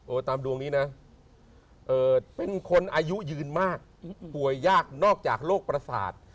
ตามดวงนี้นะเป็นคนอายุยืนมากป่วยยากนอกจากโรคประสาท